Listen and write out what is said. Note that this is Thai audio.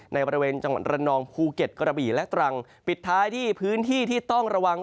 ในบริเวณจังหวัดระนองภูเก็ตกระบี่และตรังปิดท้ายที่พื้นที่ที่ต้องระวัง